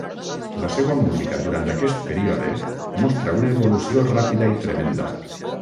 La seua música durant aquest període mostra una evolució ràpida i tremenda.